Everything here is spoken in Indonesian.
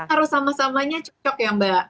harus sama samanya cocok ya mbak